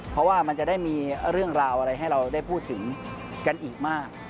เพราะว่ามันจะได้มีเรื่องราวอะไรให้เราได้พูดถึงกันอีกมาก